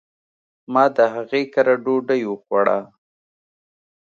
ما د هغي کره ډوډي وخوړه .